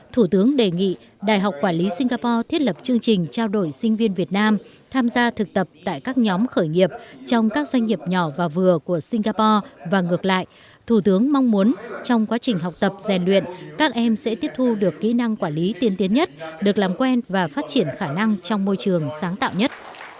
thủ tướng đề nghị đại học quản lý singapore thiết lập chương trình trao đổi sinh viên việt nam tham gia thực tập tại các nhóm khởi nghiệp trong các doanh nghiệp nhỏ và vừa của singapore và ngược lại thủ tướng mong muốn trong quá trình học tập gian luyện các em sẽ tiếp thu được kỹ năng quản lý tiên tiến nhất được làm quen và phát triển khả năng trong môi trường sáng tạo nhất